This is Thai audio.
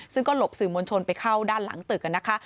ซึ่งก็หลบสื่อมวลชนไปเข้าด้านหลังตึกนะคะ